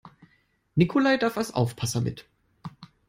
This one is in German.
Nikolai darf als Aufpasser mit.